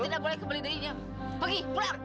tidak boleh kembali deh ini pergi pulang